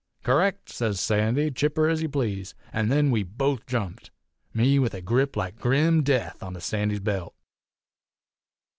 "'Correct!' sez Sandy, chipper ez ye please; an' then we both jumped, me with a grip like grim death onter Sandy's belt.